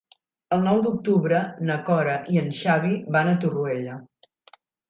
El nou d'octubre na Cora i en Xavi van a Torrella.